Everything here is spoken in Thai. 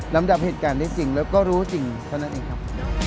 ลำดับเหตุการณ์ได้จริงแล้วก็รู้จริงเท่านั้นเองครับ